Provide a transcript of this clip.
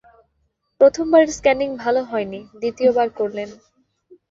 প্রথম বারের স্ক্যানিং ভালো হয় নি, দ্বিতীয় বার করলেন।